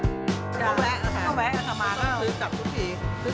ก็ก็แวะแล้วกลับบุคคล